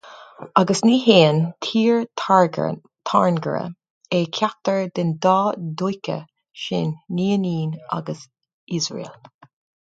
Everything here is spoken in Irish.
Agus ní haon Tír Tairngire é ceachtar den dá dhúiche sin ní ionann agus Iosrael.